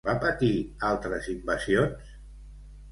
Va patir altres invasions?